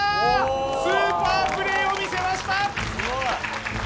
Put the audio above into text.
スーパープレーを見せました！